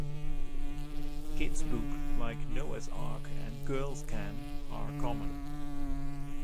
Kid's books like "Noah's ark" and "Girls can..." are common.